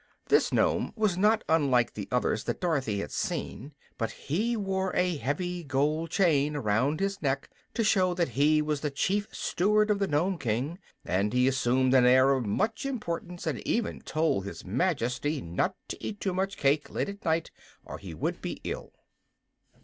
This Nome was not unlike the others that Dorothy had seen, but he wore a heavy gold chain around his neck to show that he was the Chief Steward of the Nome King, and he assumed an air of much importance, and even told his majesty not to eat too much cake late at night, or he would be ill.